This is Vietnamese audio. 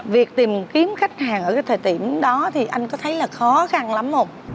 việc tìm kiếm khách hàng ở thời tiểm đó thì anh có thấy là khó khăn lắm không